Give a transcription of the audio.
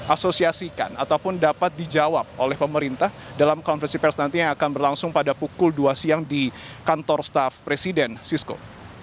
asosiasikan ataupun dapat dijawab oleh pemerintah dalam konferensi pers nanti yang akan berlangsung pada pukul dua siang di kantor staff presiden sisko